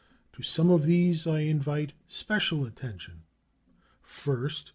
To some of these I invite special attention: First.